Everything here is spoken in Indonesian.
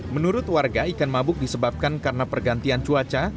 menurut warga ikan mabuk disebabkan karena pergantian cuaca